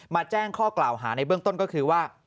แจ้งข้อกล่าวหาในเบื้องต้นก็คือว่า